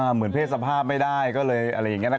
เพศสภาพไม่ได้ก็เลยอะไรอย่างนี้